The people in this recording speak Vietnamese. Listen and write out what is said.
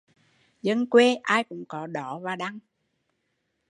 Dân quê ai cũng có đó và đăng